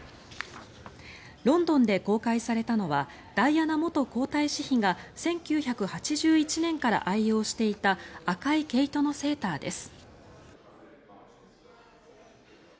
ロンドンで公開されたのはダイアナ元皇太子妃が１９８１年から愛用していた赤い毛糸のセーターです。